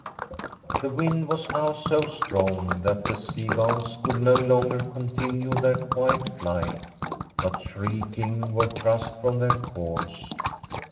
The wind was now so strong that the seagulls could no longer continue their quiet flight, but, shrieking, were thrust from their course.